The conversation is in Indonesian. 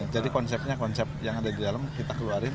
jadi konsepnya konsep yang ada di dalam kita keluarin